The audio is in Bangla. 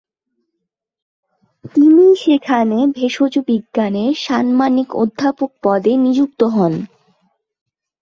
তিনি সেখানে ভেষজবিজ্ঞানের সাম্মানিক অধ্যাপক পদে নিযুক্ত হন।